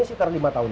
sekitar lima tahunan